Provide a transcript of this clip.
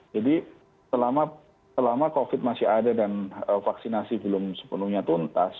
jadi selama covid sembilan belas masih ada dan vaksinasi belum sepenuhnya tuntas